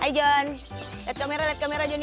hai jon lihat kamera lihat kamera jonny